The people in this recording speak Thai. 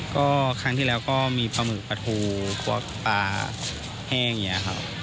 ก็ครั้งที่แล้วก็มีปลาหมึกปลาทูควักปลาแห้งอย่างนี้ครับ